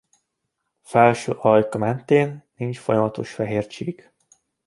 Felső ajka mentén nincs folyamatos fehér csík.